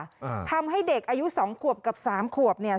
อ่าทำให้เด็กอายุสองขวบกับสามขวบเนี้ย